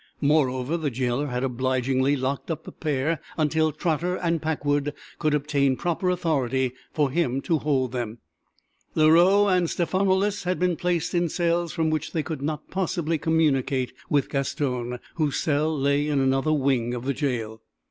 Moreover, the jailer had obligingly locked up the pair until Trotter and Packwood could obtain proper authority for him to hold them. Leroux and Stephanoulis had been placed in cells from which they could not possibly communicate with Gaston, whose cell lay in another wing of the jail.